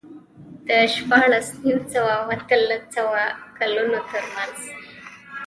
د شپاړس نیم سوه او اتلس سوه کلونو ترمنځ